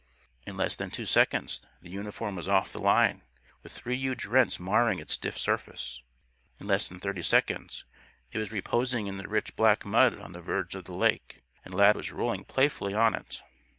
In less than two seconds the uniform was off the line, with three huge rents marring its stiff surface. In less than thirty seconds, it was reposing in the rich black mud on the verge of the lake, and Lad was rolling playfully on it.